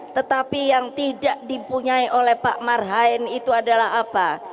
tetapi yang tidak dipunyai oleh pak marhain itu adalah apa